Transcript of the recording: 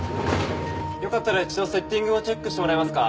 よかったら一度セッティングをチェックしてもらえますか？